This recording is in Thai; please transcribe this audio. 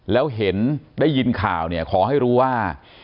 แล้วเห็นได้ยินข่าวเนี่ยขอให้รู้ว่า